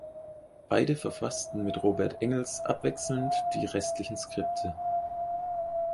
Beide verfassten mit Robert Engels abwechselnd die restlichen Skripte.